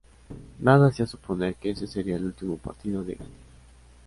Nada hacía suponer que ese sería el último partido de Gatti.